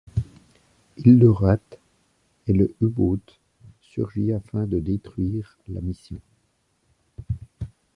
Il le rate et le U-Boot surgit afin de détruire la mission.